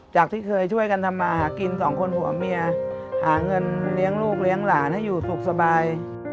ที่เคยช่วยกันทำมาหากินสองคนผัวเมียหาเงินเลี้ยงลูกเลี้ยงหลานให้อยู่สุขสบาย